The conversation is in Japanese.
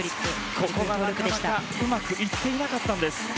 ここがうまくいっていなかったんです。